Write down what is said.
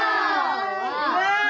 うわ。